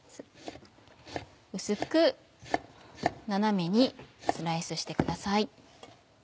薄く斜めにスライスしてください。